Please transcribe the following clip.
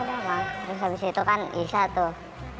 terus habis itu kan bisa tuh